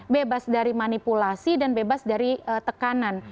bebas dari manipulasi dan bebas dari tekanan